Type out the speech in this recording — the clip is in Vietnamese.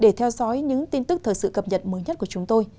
để theo dõi những tin tức thời sự cập nhật mới nhất của chúng tôi